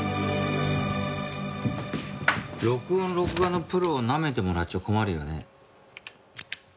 録音・録画のプロをなめてもらっちゃ困るよね。